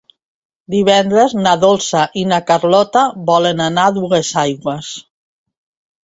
Divendres na Dolça i na Carlota volen anar a Duesaigües.